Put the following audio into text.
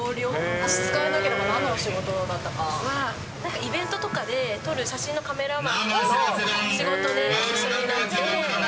差し支えなければなんのお仕イベントとかで撮る写真のカメラマンを仕事で、一緒になって。